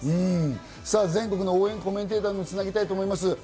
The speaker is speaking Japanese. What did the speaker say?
全国の応援コメンテーターにもつなぎたいと思います。